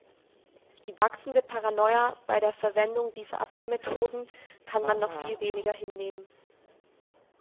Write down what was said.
Die wachsende Paranoia bei der Verwendung dieser Abhörmethoden kann man noch viel weniger hinnehmen.